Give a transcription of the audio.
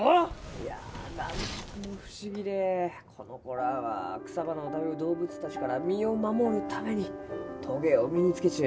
・いやなんとも不思議でこの子らは草花を食べる動物たちから身を守るためにトゲを身につけちゅう。